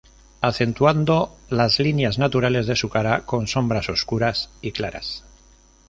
Acentuando las líneas naturales de su cara con sombras oscuras y claras.